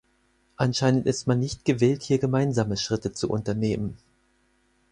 Anscheinend ist man nicht gewillt, hier gemeinsame Schritte zu unternehmen.